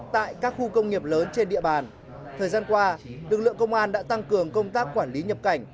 tại các khu công nghiệp lớn trên địa bàn thời gian qua lực lượng công an đã tăng cường công tác quản lý nhập cảnh